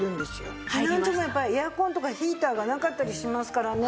避難所もやっぱりエアコンとかヒーターがなかったりしますからね。